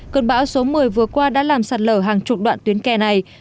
cơn bão số một mươi vừa qua đã làm sạt lở hàng chục đoạn tuyến kè này